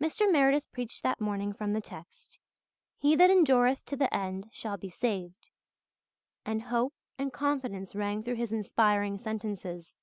Mr. Meredith preached that morning from the text, "He that endureth to the end shall be saved," and hope and confidence rang through his inspiring sentences.